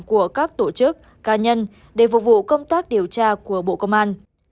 của các tổ chức cá nhân để phục vụ công tác điều tra của bộ công an